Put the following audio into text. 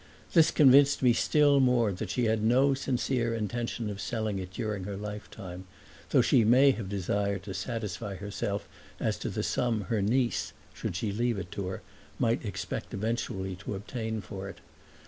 This convinced me still more that she had no sincere intention of selling it during her lifetime, though she may have desired to satisfy herself as to the sum her niece, should she leave it to her, might expect eventually to obtain for it.